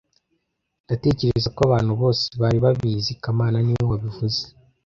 Ndatekereza ko abantu bose bari babizi kamana niwe wabivuze